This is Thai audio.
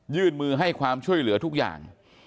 ยื่นมือให้ความช่วยเหลือทุกอย่าง